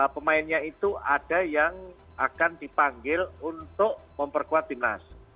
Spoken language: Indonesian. pemainnya itu ada yang akan dipanggil untuk memperkuat timnas